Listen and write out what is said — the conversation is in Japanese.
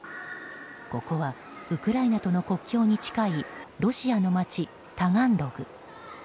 ここはウクライナとの国境に近いロシアの町、タガンログ。